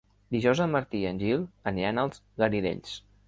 Dijous en Martí i en Gil aniran als Garidells.